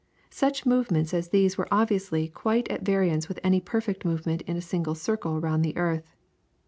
Such movements as these were obviously quite at variance with any perfect movement in a single circle round the earth.